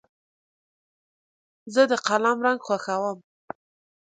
زه د قلم رنګ خوښوم.